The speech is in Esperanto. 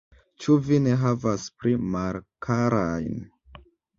Ĉu vi ne havas pli malkarajn?